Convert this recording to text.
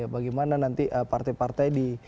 bagaimana nanti partai partai di